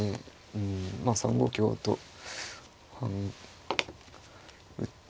まあ３五香と打って。